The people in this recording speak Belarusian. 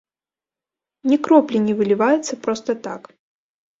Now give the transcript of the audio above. Ні кроплі не выліваецца проста так.